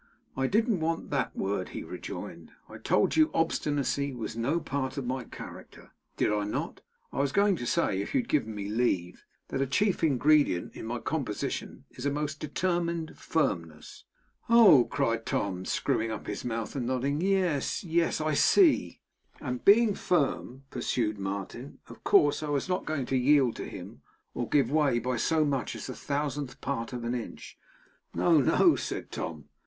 'I didn't want that word,' he rejoined. 'I told you obstinacy was no part of my character, did I not? I was going to say, if you had given me leave, that a chief ingredient in my composition is a most determined firmness.' 'Oh!' cried Tom, screwing up his mouth, and nodding. 'Yes, yes; I see!' 'And being firm,' pursued Martin, 'of course I was not going to yield to him, or give way by so much as the thousandth part of an inch.' 'No, no,' said Tom.